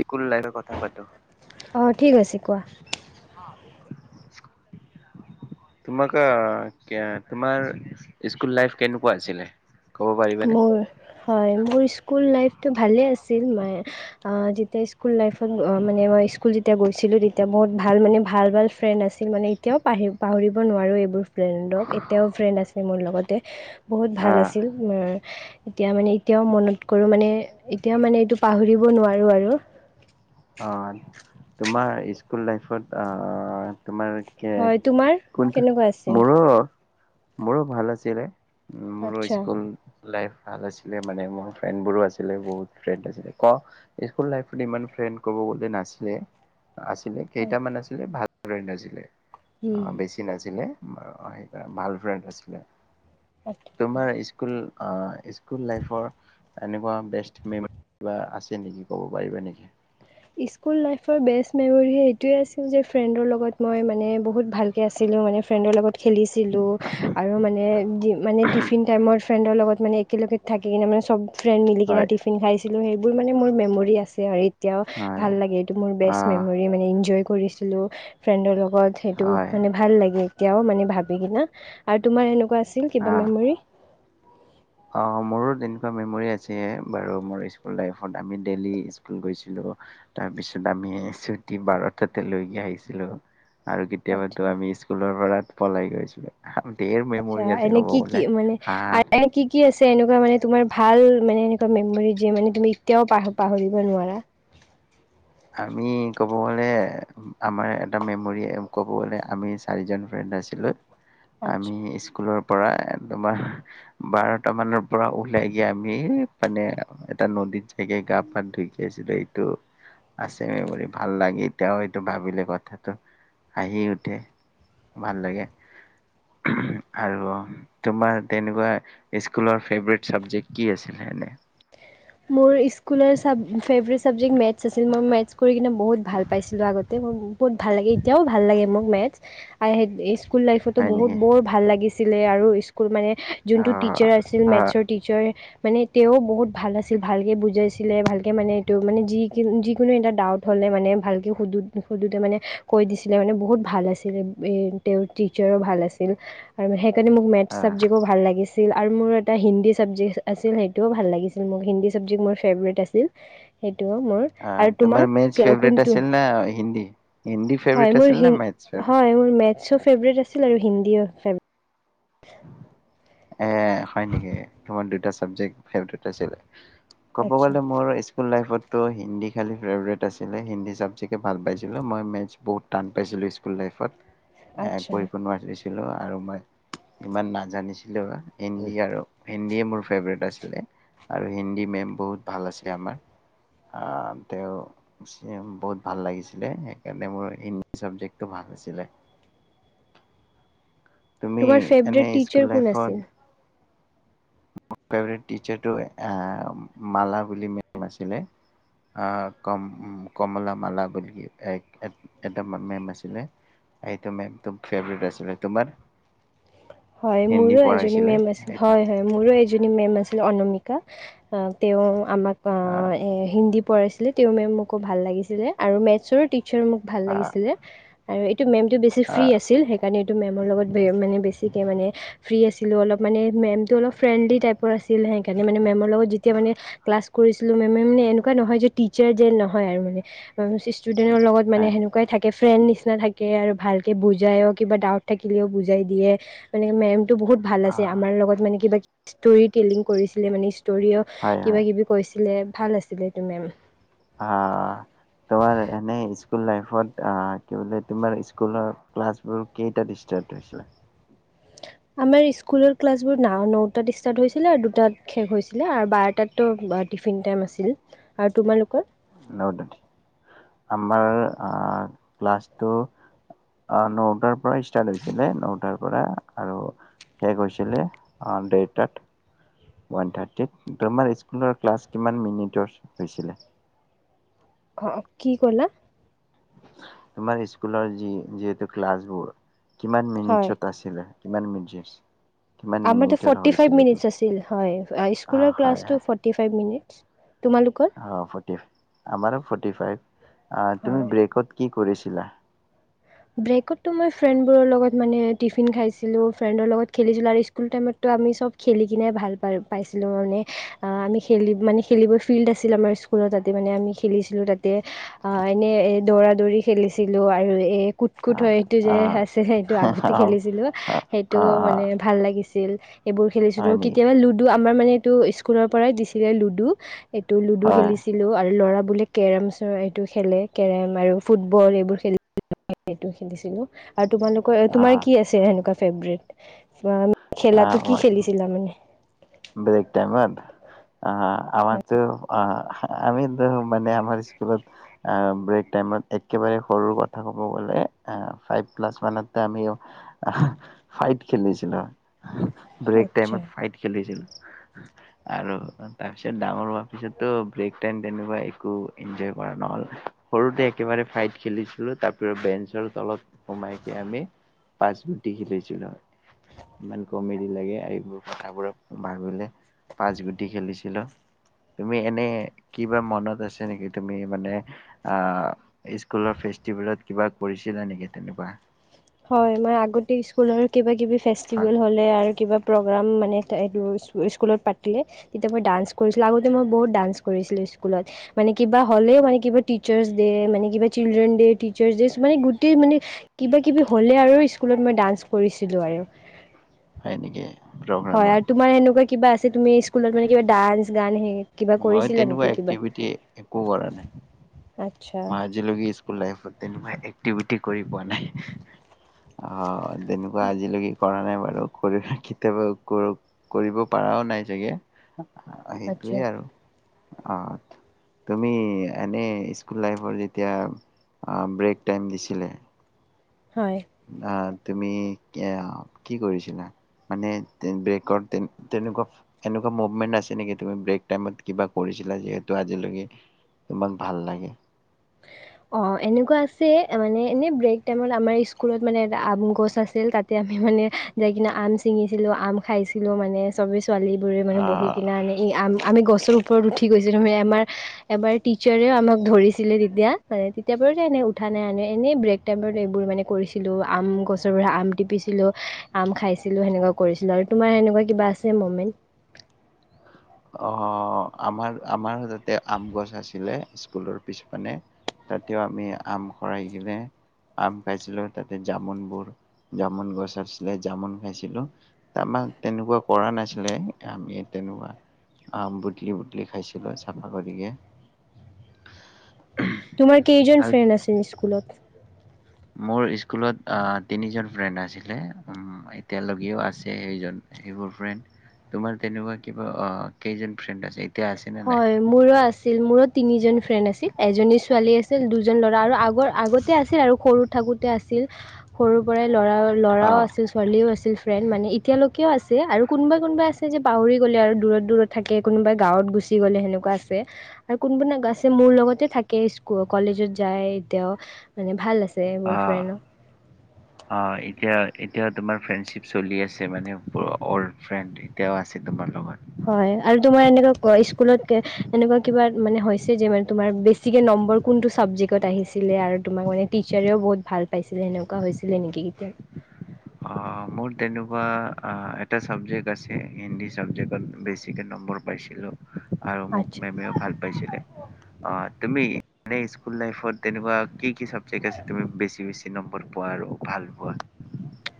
বিকুল লাইনৰ কথা পাতো অঁ ঠিক আছে কোৱা হ তোমাক এতিয়া তোমাৰ স্কুল লাইফ কেনেকুৱা আছিলে? ক'ব পাৰিবানে? মোৰ হয় মোৰ স্কুল লাইফটো ভালে আছিলে। ছিল অ', নাই যেতিয়া স্কুল লাইফ মানে মই স্কুল যেতিয়া গৈছ আছিলোঁ তেতিয়া বহুত ভাল মানে ভাল ভাল ফ্ৰেণ্ড আছিল মানে এতিয়াও পাহৰি পাহৰিব নোৱাৰোঁ এইবোৰ। ফ্ৰেণ্ডক এতিয়াও ফ্ৰেণ্ড আছে মোৰ লগত। তে বহুত ভাল অ আছিল। এতিয়া মানে এতিয়াও মনত কৰোঁ মানে এতিয়াও মানে এইটো পাহৰিব নোৱাৰো আৰু। অ', তোমাৰ স্কুল লাইফত অ' তোমাৰ কে হয় তোমাৰ কোন কেনেকুৱা আছিল মোৰো মোৰো ভাল আছিলে। উম, মোৰো আচ্ছা স্কুল লাইফ ভাল আছিলে মানে মোৰ ফ্ৰেণ্ড বোৰো আছিলে বহুত ফ্ৰেণ্ড আছিলে ক স্কুল লাইফত ইমান ফ্ৰেণ্ড ক'ব গ'লে নাছিলে। আছিলে কেইটামান আছিলে ভাল। ফ্ৰেণ্ড আছিলে। অ', বেছি নাছিলে। সেইকাৰণে ভাল ফ্ৰেণ্ড আছিলে। হয় তোমাৰ স্কুল অ', ইছ স্কুল লাইফৰ এনেকুৱা বেষ্ট মেমৰী কিবা আছে নেকি ক'ব পাৰিবা নেকি? স্কুল লাইফৰ বেষ্ট মেমৰি এইটোৱে আছিল যে ফ্ৰেণ্ডৰ লগত মই মানে বহুত ভালকে আছিলোঁ মানে ফ্ৰেণ্ডৰ লগত খেলিছিলোঁ আৰু মানে মানে টিফিন টাইমত ফ্ৰেণ্ডৰ লগত মানে একেলগে থাকি কিনে মানে চব ফ্ৰেণ্ড মিলি কেনে হয় টিফিন খাইছিলো সেইবোৰ মানে মোৰ মেমৰি আছে আৰু এতিয়া হয় ভাল লাগে এইটো মোৰ বেষ্ট আহ মেমৰিী মানে এনজয় কৰিছিলোঁ ফ্ৰেণ্ডৰ লগত লগত সেইটো হয় মানে ভাল লাগে এতিয়াও মানে ভাবি কিনা আৰু তোমাৰ এনেকুৱা আছিল কিবা আহ মেমৰি অ মোৰো তেনেকুৱা মেমৰি আছে বাৰু মোৰ স্কুল লাইত আমি ডেইলি স্ক গৈছিলো তাৰপিছত আমি ছুটি বাৰটাতে লৈকে আহিছিলো আৰু আচ্ছা কেতিয়াবাতো আমি স্কুলৰ পৰা পলাই গৈছিলে আচ্ছা এনে কি কি মানে আহ এনে কি কি আছে এনেকুৱা মানে তোমাৰ ভাল মানে এনেকুৱা মেমৰি যে মানে তুমি এতিয়াও পাহৰিব নোৱাৰা আমি ক'ব গ'লে আমাৰ এটা মেমৰি ক'ব গ'লে আমি চাৰিজন ফ্ৰেণ্ড আছিলোঁ আচ্ছা আমি স্কুলৰ পৰা তোমাৰ বাৰটা মানৰ পৰা ওলাই গিয় আমি মানে এটা নদীত জগে গা পা ধুইকিয় আছিলো এইটো আছে মে ভাল লাগে এ তেওঁ সটো ভাবিলে কথাটো আহি উঠে ভাল লাগে আৰু তোমাৰ তেনেকুৱা স্কুলৰ ফেভৰেট চাবজেক্ট কি আছিলনে মোৰ স্কুলৰ ফেভট চাবজেক্ট মেথছ আছিল ম মেথছ কৰি কিনে বহুত ভাল পাইছিলো আগতে ম বুত ভাল ল এতিয়াও ভাল লাগ মোক মে স্কুল লাইফতো হয় বহুত নেকি বৰ ভাল লাগিছে আছিলে আৰু স্কুল মানে অ যোনটো টিচাৰ আছিল অ মেথছৰ টিচাৰ মানে তেওঁও বহুত ভাল আছে আ ভালকে বুজাইছিলে ভালকৈ মানে এইটো মানে য যিকোনো এটা ডাউট হ'লে মানে ভালকৈ সুধো সুধোঁতে মানে কৈ দিছিলে মানে বহুত ভাল আছিলে তেওঁৰ টিচাৰো ভাল আছিল আৰু সেইণ অ মেথছাবজেকটো ভাল লাগছে আছিল আৰু মোৰ এটা হিন্দী চাবজেক্ট আছিল সেইটোও ভাল লাগিছিল মোক হিন্দী চাবজেক্ট মোৰ ফেভৰেট আছিলেই অ তোমাৰ মে ফেভট কোনটো আছিল ন হিন্দী হিন্দী ফেভট আছিল ন ম ফেভ চ' ফেভৰেট আছিল আৰু হিন্দীও ফেভৰেট এ হয় নেকি তোমাৰ দুটা চাবজেক্ভট আছিল ক'ব আচ্ছা গ'লে মোৰ স্কুল লাইফত ত' হিন্দী খালী ফেভৰেট আছিলে হিন্দী চাবজেক্টে ভাল পাইছিলোঁ মই মেথছ বহুত টান পাইছিলোঁ স্কুল লাইফত এ আচ্ছা কৰিপনণ ম বেছি ছিলো আৰু মই ইমান নাজানিছিল হিন্দী আৰু হিন্দীয়ে মোৰ ফেভৰেট আছিলে আৰু হিন্দী মেম বহুত ভাল আছে আমাৰ তেওঁ বহুত ভাল লাগিছিলে সেইকাৰণে মোৰ হিন্দী চাবজেক্টটো ভাল আছিলে তুমি তোমাৰ এনে ফেভৰেট স্কুল টিচাৰ কোন লাইফত আছিল? ফেভৰেট টিচাৰটো মালা বুলি মেম আছিলে অহ কমলা মালা বুলি এটা মেম আছিলে সেইটো মেম ফেভট আছিল তোমাৰ? হয় হিন্দী মোৰো এজনি পঢ়াইছিলে মেম আছিল সেইটো হয় হয় মোৰো এজনি এজনী মেম আছিলে অনমিকা তেওঁ আমাক, অ আহ এ হিন্দী পঢ়াইচিলে তেওঁ মেমোকো ভাল লাগিছিলে আৰু মেটচৰ টিচাৰ, আহ [unintelligible] এইটো মেমটো বেছি ফ্ৰী আহ আছিল সেইকাৰণে এইটো মেমৰ লগত বে মানে বেছি ফ্ৰি আছিলো অলপ মানে মেমটো অলপ ফ্ৰেণ্ডলি টাইপৰ আছিলে সেইকাৰণে মানে মেমৰ লগত যেতিয়া মানে ক্লাচ কৰিছিলো মেমে মানে এনেকুৱা নহয় যে টিচাৰ যে নহয় আৰু মানে চিচ- ষ্টুডেনৰ লগত হয় হেনেকোৱাই থাকে ফ্ৰেণ্ড নিচিনা থাকে আৰু ভালকে বুজাইয়ো কিবা ডাউট থাকিলেও বুজাই দিয়ে। মানে মেম টো বহুত ভাল আছে আহ, আমাৰ লগত মানে কিবা দুই টিলিং কৰিছিলে মানে ইচ- সৰিও হয় কিবা হয়। কিবি কৈছে। মানে ভাল আছিলে সেইটো মেম। অ', তোমাৰ এনে স্কুল লাইভত অ', কি বোলে তোমাৰ স্কুলৰ ক্লাচবোৰ কেইটাত স্টাৰ্ট হৈছিলে। আমাৰ স্কুলৰ ক্লাছবোৰ নাও নটাত ষ্টাৰ্ট হৈছিলে আৰু দুটাত শেষ হৈছিলে আৰু বাৰটাততো টিফিন টাইম আছিল। আৰু তোমালোকৰ? আমাৰ আহ ক্লাছটো আহ নটাৰ ষ্টাৰ্ট হৈছিলে নটাৰ কৰা আৰু শেষ হৈছিলে আহ দেৰটাত ওৱান থাৰ্টিত। তোমাৰ স্কুলৰ ক্লাছ কিমান মিনিটৰ হৈছিলে? অ', কি ক'লা? তোমাৰ স্কুলৰ যি যিহেতু ক্লাছবোৰ কিমান মিনিটছত আছিলে? কিমান মিৰ্জীচ‌? আমাৰ টো ফৰতিফাইভ মিনিটচ আছিল হয় আহ স্কুলৰ হয় ক্লাচটো হয় ফৰতিফাইভ মিনিট। অ ফৰতিফাইভ আমাৰো ফৰ্টি ফাইভ। আ হয় তুমি ব্ৰেকত কি কৰিছিলা। ব্ৰেকততো মই ফ্ৰেণ্ডবোৰৰ লগত মানে টিফিন খাইছিলো, ফ্ৰেণ্ডৰ লগত খেলিছিলোঁ আৰু স্কুল টাইমততো আমি চব খেলি কিনে ভাল প পাইছিলো মানে আহ আমি খেলি খেলিব ফিল্ড আছিল আমাৰ স্কুলত তাতে মানে আমি এনেই দৌৰা দৌৰি খেলিছিলোঁ আৰু এই কুট কুট হয় সেইটো যে আহ আছে সেইটো আগতে আহ খেলিছিলোঁ অ সেইটো অ মানে ভাল লাগিছিল। ছিল। এইবোৰ খেলিছিলো হয় নেকি কেতিয়াবা লুডু আমাৰ মানে এইটো স্কুলৰ পৰাই দিছিলে লুডু। এইটো লুডু হয় খেলিছিলো আৰু ল'ৰাবোৰে বোলে কেৰম চ এইটো খেলে কেৰম আৰু ফুটবল এইবোৰ খেলি সেইটো খেলিছিলো আৰু তোমালোকৰ অ তোমাৰ কি আছে সেনেকুৱা ফেভৰেট সিমান খেলাটো অ কি খেলিছিলা মানে? ব্ৰেক টাইমত অহ আমাৰটো অহ আমিতো মানে আমাৰ স্কুলত ব্ৰেক টাইমত একেবাৰে সৰু কথা কব গলে ফাইভ ক্লাছমানটো আমিও ফাইট খেলিছিলো ব্ৰেক আচ্ছা টাইমত ফাইট আৰু তাৰ পিছত ডাঙৰ হোৱাৰ পিছতো ব্ৰেক তেনেকুৱা একো এনজয় কৰা নহ'ল সৰুতে একেবাৰে ফাইট খেলিছিলো তাৰ বেঞ্চৰ তলত সোমাই আমি পাচ গুটি খেলিছিলো, ইমান কমেডি লাগে এইবোৰ কথাবোৰ ভাবিলে পাচ গুটি খেলিছিলো তুমি এনে কিবা মনত আছে নেকি তুমি মানে আহ স্কুলৰ ফেষ্টিভেলত কিবা কৰিছিলা নেকি তেনেকুৱা? হয় মই আগতে স্কুলৰ কিবা কিবি হা, ফেষ্টিভেল হ'লে আৰু কিবা প্ৰগ্ৰাম মানে স্কুলত পাতিলে তেতিয়া মই ডান্স কৰিছিলোঁ আগতে মই বহুত ডান্স কৰিছিলোঁ স্কুলত মানে কিবা হ'লেও মানে কিবা টিচাৰ্চ ডে মানে কিবা চিলডেনচ ডে টিচাৰছ ডে মানে গোটেই মানা কিবি হ'লে আৰু স্কুলত মই ডান্স কৰিছিলোঁ আৰু হয় নেকি হয় প্ৰগ্ৰামত আৰু তোমাৰ এনেকুৱা কিবা আছে তুমি স্কুলত মানে কিবা ডান্স জানে মই তেনেকুৱা এক্টিভিটি একো কৰা নাই। আচ্ছা মই আজিলৈকে স্কুল ফুল লাইফ তেনেকুৱা এক্টিভিটি কৰি পোৱা নাই। অহ তেনেকুৱা আজিলৈকে কৰা নাই আৰু [unintelligible] কেতিয়াবা কৰিব পাৰও নাই চাগে আচ্ছা সেইটোৱেই আৰু অহ তুমি এনে স্কুল লাইফৰ যেতিয়া ব্ৰেক টাইম দিছিলে হয় [unintelligible] তুমি কি কৰিছিলা মানে ব্ৰেকৰ তেনেকুৱা এনেকুৱা মুভমেণ্ট আছে নেকি তুমি ব্ৰেক টাইমত কিবা কৰিছিলা যিহেতু আজিলৈকে তোমাক ভাল লাগে? অহ এনেকুৱা আছে মানে এনে ব্ৰেক টাইমত আমাৰ স্কুলত মানে এটা আম গছ আছিল তাতে আমি মানে যাই কিনে আম ছিঙিছিলো আম খাইছিলো মানে চবে ছোৱালী বোৰে মানে বহি আহ কিনে আনি আমি গছ ওপৰত উঠি গৈছিলোৱে আমাৰ এবাৰ টিচাৰেও আমাক ধৰিছে [unintelligible] ছিলে তেতিয়া মানে তেতিয়া পৰা এনে উঠা নাই আন এনেই ব্ৰেক টাইমত এইবোৰ মানে কৰিছিলো আম গছৰ পৰা আম টিপিছিলো আম খাইছিলো সেনেকুৱা কৰিছিলো আৰু তোমাৰ সেনেকুৱা কিবা আছে মমেন্ট? অহ আমাৰ আমাৰ তাতে আম গছ আছিলে স্কুলৰ পিছফানে তাতে আমি আম খৰাই কিনে আম খাইছিলো তাতে জামুনবোৰ জামুন গছ আছিলে জামুন খাইছিলো আমাক তেনেকুৱা কৰা নাছিলে আমি তেনেকুৱা অহ বুটলি বুটলি খাইছিলো চাফা কৰিকে তোমাৰ কেইজন আৰু ফ্ৰেণ্ড আছে স্কুলত হয়। মোৰ স্কুলত তিনিজন ফ্ৰেণ্ড আছিলে এতিয়ালেও আছে স সেইোৰ ফ্ৰেণ্ড, তোমাৰ তেনেকুৱা কিবা কেই ফ্ৰেণ্ড আছে? এতিয়া আছে নে নাই? হয় মোৰো আছিল মোৰো তিনিজন ফ্ৰেণ্ড আছিল এজনী ছোৱালী আছিল দুজন ল'ৰা আৰু আগৰ আগতে আছিল আৰু সৰু থাকোঁতে আছিল। সৰু পৰাই ল'ৰা ল'ৰাও অ', আছিল ছোৱালীও আছিল ফ্ৰেণ্ড মানে এতিয়ালৈকেও আছি আৰু কোনবা কোনোবা আছে যে পাহৰি গ'লে আৰু দূৰত দূৰত থাকে কোনোবা গাঁৱত গৈছ গ'লে সেনেকুৱা আছে আৰু কোন কোনক মোৰ লগতে থাকে ইছকু কলেজত যায় এতিয়াও মানে ভাল আছে। মোৰ অ', ফ্ৰেণ্ড অ', এতিয়া এতিয়াও তোমাৰ ফ্ৰেণ্ডশ্বিপ চলি আছে মানে অল্ড ফ্ৰেণ্ড এতিয়াও আছে তোমাৰ লগত। হয় আৰু তোমাৰ এনেকুৱা স্কুলত এনেকুৱা কিবা হৈছে যে বেছিকে নম্বৰ কোনটো চাবজেক্টত আহিছিলে আৰু তোমাক মানে টিচাৰেও ভাল পাইছিলে সেনেকুৱা হৈছিলে নেকি? মোৰ তেনেকুৱা এটা চাবজেক্ট আছে হিন্দী চাবজেক্টত বেছিকে নম্বৰ পাইছিলোঁ। আৰু মোক আচ্ছা মেমেও ভাল পাইছিলে। অ', তুমি স্কুল লাইফত তেনেকুৱা কি কি চাবজেক্ট আছিল তুমি বেছি বেছি নম্বৰ পোৱা আৰু ভালপোৱা?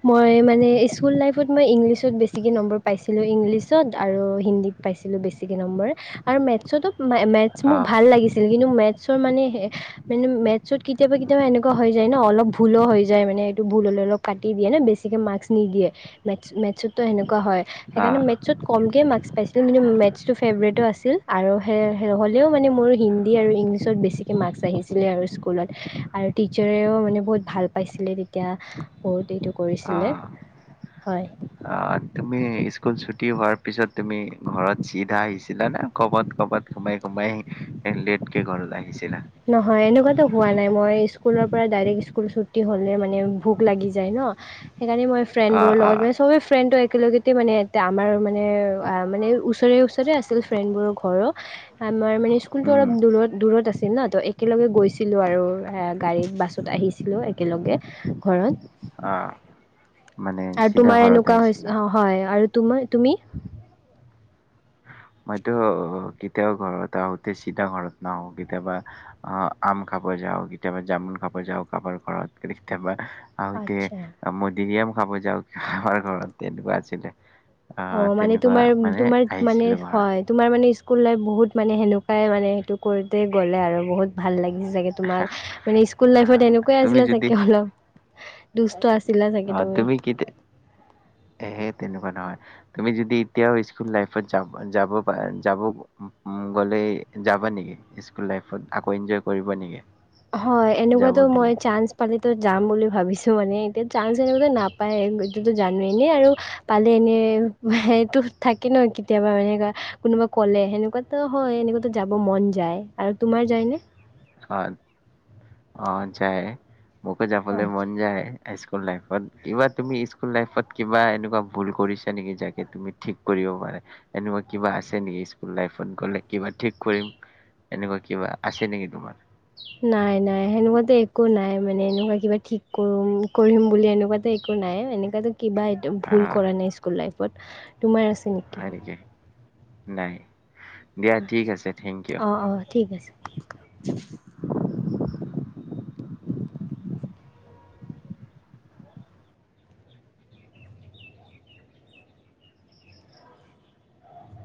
মই মানে স্কুল লাইফত মই ইংলিছত বেছিকৈ নম্বৰ পাইছিলোঁ ইংলিছত আৰু হিন্দীত পাইছিলোঁ বেছিকৈ নম্বৰ আৰু মেথছতো মা মেথছ মোক অ', ভাল লাগিছিল কিন্তু মে মানে মানে মেথছত কেতিয়াবা কেতিয়াবা এনেকুৱা হৈ যায় ন অলপ ভুলো হৈ যায় মানে এইটো ভুল হ'লে অলপ কাট দিয়ে নে বেছিকৈ মাৰ্কছ নিদিয়ে মেথছ মেথছতো সেনেকুৱা হয়। সেইকাৰণে অ', মেথছত কমকে মাৰ্ক পাই কিন্তু মেথছটো ফেভৰেটো আছিল আৰু সেই হ'লেও মানে মোৰ হিন্দী আৰু ইংলিছত বেছিকৈ মাৰ্কছ আহিছিলে আৰু স্কুলত আৰু টিচাৰেও মানে বহুত ভাল পাইছিলে তেতিয়া ব' দিটো কৰিছিলে। হয়। অহ, তুমি স্কুল ছুটি হোৱাৰ পিছত তুমি ঘৰত চিধা আহিছিলানে ক'বাত ক'বাত সোমাই সোমাই লেটকে ঘৰত আহিছিলা? নহয় এনেকুৱাতো হোৱা নাই মই স্কুলৰ পৰা ডাইৰেক্ট স্কুল ছুটি হ'লে মানে ভোক লাগি যায় ন' সেইকাৰণে মই অ', ফ্ৰেণ্ডবোৰৰ লগত অ', মানে চবেই ফ্ৰেণ্ডটো একেলগে তে মানে আমাৰ মানে মানে ওচৰে ওচৰে আছিল ফ্ৰেণ্ডবোৰৰ ঘৰো আমাৰ মানে স্কুলটো উম, অলপ দূৰত দূৰত আছিল। ন' একলগে গৈছিলো আৰু গাড়ীত বাছত আহিছিলো একেলগে অ', ঘৰত মানে আৰু চিধা তোমাৰ ঘৰত এনেকুৱা আহিছিলা। অ', হয় আৰু তোমাৰ তুমি? মইতো অ', কেতিয়াও ঘৰত আহোতে চিধা ঘৰত নাহো কেতিয়াবা অ', আম খাব যাওঁ কেতিয়াবা জামুন খাব যাওঁ কাৰোবাৰ ঘৰত কেতিয়াবা আৰু আচ্ছা এতিয়া মধুৰীআম খাব যাওঁ আমাৰ ঘৰত তেনেকুৱা আছিলে। অ', মানে তেনেকুৱা তোমাৰ, মানে তোমাৰ মানে আহিছিলোঁ ঘৰত। হয় তোমাৰ মানে স্কুল লাইফ বহুত মানে সেনেকুৱাই মানে সেইটো কৰোতে গ'লে আৰু বহুত ভাল লাগে। চাগে তোমাক মানে স্কুল অ', লাইফত এনেকুৱাই তুমি আছিলে যদি চাগে অলপ। দুষ্ট আছ অ তুমি [unintelligible] হে তেনেকুৱা নহয় তুমি যদি এতিয়াও স্কুল লাইফত যাব প যাব গলে যাবা নেকি স্কুল লাইফত আকৌ এনজয় কৰিবা নেকি হয় যাব এনেকুৱাতো মই দিলে চান্স পালে যাম বুলি ভাবিছো মানে এতিয়া চান্স এনেকুৱা নাপায় এইটোতো জানো এনে আৰু পালে এনে এইটো থাকে ন কেতিয়াবা মানে কোনোবা কলে সেনেকুৱাতো হয় এনেকুৱো যাব মন যায় আৰু তোমাৰ যায় নে? অ অ যয় মোকে যাবলৈ আচ্ছা মন যায় স্কুল লাইত কিবা তুমি স্কুল লাইফত কিবা এনেকুৱা ভুল কৰিছা নেকি যে তুমি ঠিক কৰিব পাৰা এনেকুৱা কিবা আছে নেকি স্কুল লাইফত গলে কিবা ঠিক কৰিম এনেকুৱা কিবা আছে নেকি তোমাৰ নাই নাই সেনেকুৱাতো একো নাই মানে এনেকুৱা কিবা ঠিক কৰম কৰিম বুলি এনেকুৱাতে একো নাই এনেকুৱাতো কিবা অ ভুল কৰা নাই স্কুল লাইফ প তোমাৰ আছে নেকি নাই দিয়া ঠিক আছে থেংক ইউ অঁ অঁ ঠিক আছে হু [unintelligible]